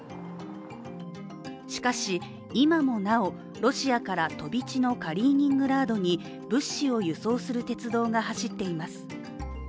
しかし、今もなおロシアから飛び地のカリーニングラードに物資を輸送する鉄道が走っています。